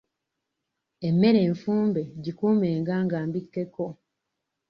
Emmere enfumbe gikuumenga nga mbikkeko.